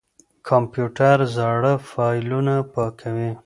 کمپيوټر زاړه فايلونه پاکوي.